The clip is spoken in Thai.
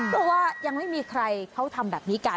เพราะว่ายังไม่มีใครเขาทำแบบนี้กัน